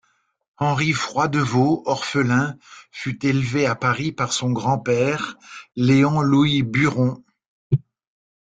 Henri Froidevaux, orphelin, fut élevé à Paris par son grand-père Léon-Louis Buron.